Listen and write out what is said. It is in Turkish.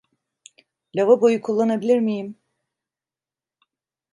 Lavaboyu kullanabilir miyim?